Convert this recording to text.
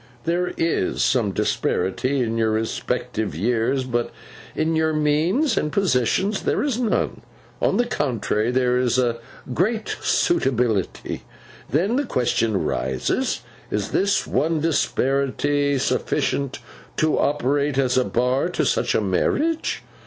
There is some disparity in your respective years, but in your means and positions there is none; on the contrary, there is a great suitability. Then the question arises, Is this one disparity sufficient to operate as a bar to such a marriage?